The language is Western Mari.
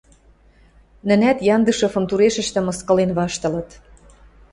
Нӹнӓт Яндышевӹм турешӹштӹ мыскылен ваштылыт.